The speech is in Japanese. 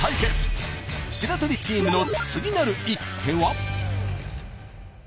白鳥チームの次なる一手は？